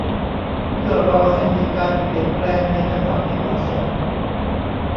เพื่อรอให้มีการเปลี่ยนแปลงในจังหวะที่เหมาะสม